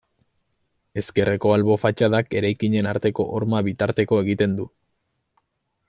Ezkerreko albo fatxadak eraikinen arteko horma bitarteko egiten du.